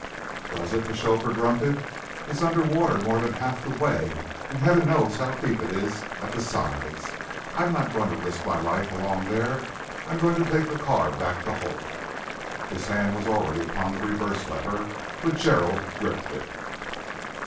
"Does it!" the chauffeur grunted. "It's under water more than half the way, and Heaven knows how deep it is at the sides! I'm not going to risk my life along there. I am going to take the car back to Holt." His hand was already upon the reverse lever, but Gerald gripped it.